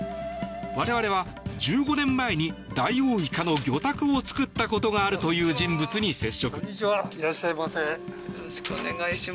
我々は、１５年前にダイオウイカの魚拓を作ったことがあるという人物に接触。